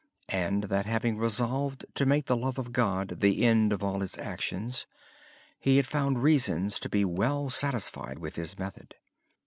Since he resolved to make the love of God the end of all his actions, he had found reasons to be well satisfied with his method.